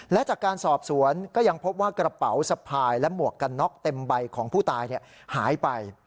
และจากการสอบสวนก็ยังพบว่ากระเป๋าสะพายและหมวกกันน็อกเต็มใบของผู้ตายหายไป